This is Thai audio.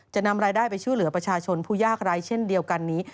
จะนำรายได้ไปช่วยเหลือประชาชนผู้ยากร้ายเช่นเดียวกันนี้